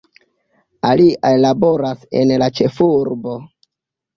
Aliaj laboras en la ĉefurbo.